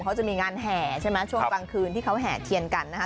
เขาจะมีงานแห่ใช่ไหมช่วงกลางคืนที่เขาแห่เทียนกันนะคะ